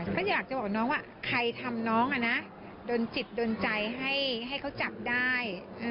ก็อยากจะบอกน้องว่าใครทำน้องโดนจิตโดนใจให้เขาจับได้